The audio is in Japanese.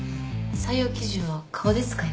採用基準は顔ですか？